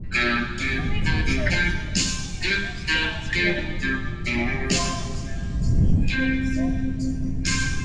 Original sets used a transistor oscillator; newer phones use an integrated circuit.